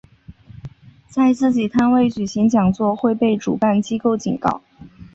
在自己摊位举行讲座会被主办机构警告。